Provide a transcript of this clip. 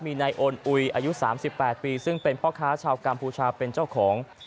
มีนายโอนอุยอายุ๓๘ปีซึ่งเป็นพ่อค้าชาวกัมพูชาเป็นเจ้าของ